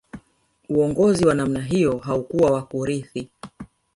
Uongozi wa namna hiyo haukuwa wa kurithi